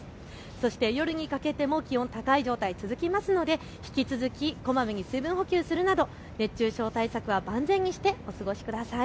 そして夜にかけても気温、高い状態が続きますので引き続きこまめに水分補給をするなど熱中症対策は万全にしてお過ごしください。